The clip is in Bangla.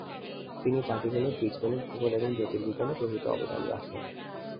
তিনি পাটিগণিত, বীজগণিত, ভূগোল এবং জ্যোতির্বিজ্ঞানে প্রভূত অবদান রাখেন।